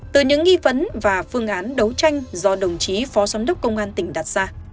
từ những nghi vấn và phương án đấu tranh do đồng chí phó giám đốc công an tỉnh đặt ra